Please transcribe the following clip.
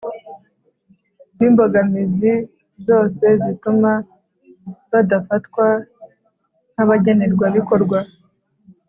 b imbogamizi zose zituma badafatwa nk abagenerwabikorwa